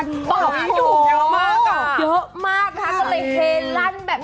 เยอะมากค่ะเห็นเรียนประเภท